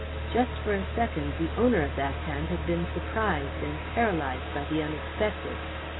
Just for a second the owner of that hand had been surprised and paralysed by the unexpected.